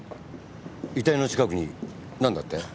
遺体の近くになんだって？